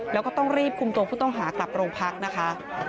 แล้วก็ต้องรีบคุมตัวผู้ต้องหากลับโรงพักนะคะ